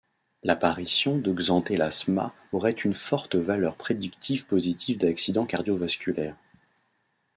L'apparition de xanthelasma aurait une forte valeur prédictive positive d'accidents cardio-vasculaire.